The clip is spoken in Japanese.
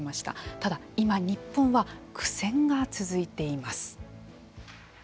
ただ今日本は苦戦が続いています。